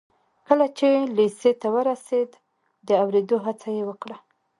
کله چې لېسې ته ورسېد د اورېدو هڅه یې وکړه